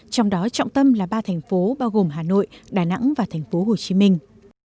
trong đó trọng tâm là ba thành phố bao gồm hà nội đà nẵng và thành phố hồ chí minh